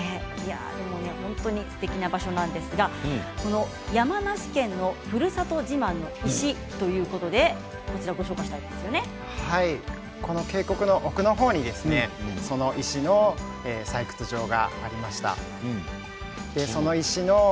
すてきな場所なんですが山梨県のふるさと自慢の石ということでこの渓谷の奥のほうに石の採掘場がありました。